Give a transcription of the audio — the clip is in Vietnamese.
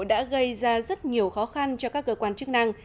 đã gây ra rất nhiều khó khăn cho các cơ quan chức năng